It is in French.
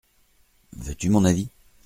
Veux-tu mon avis ?…